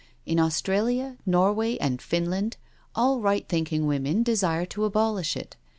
In Australia, Nor way, and Finland all right thinking women desire to abolish it.